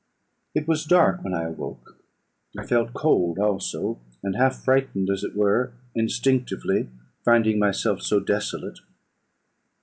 "It was dark when I awoke; I felt cold also, and half frightened, as it were instinctively, finding myself so desolate.